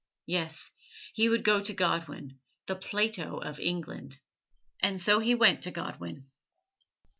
Yes, he would go to Godwin, the Plato of England! And so he went to Godwin.